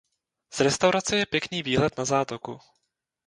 Z restaurace je pěkný výhled na zátoku.